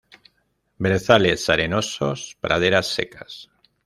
Brezales arenosos, praderas secas.